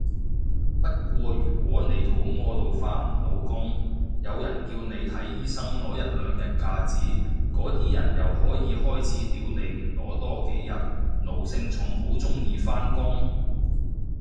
不過如果你肚痾到返唔到工，有人叫你睇醫生攞一兩日假紙，嗰啲人又可以開始屌你唔攞多幾日，奴性重好鍾意返工？